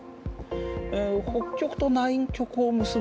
北極と南極を結ぶ